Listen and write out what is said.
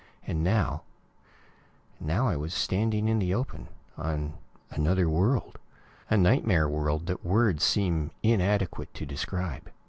And now ... and now I was standing in the open, on another world. A nightmare world that words seem inadequate to describe.